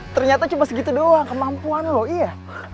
ternyata cuma segitu doang kemampuan loh iya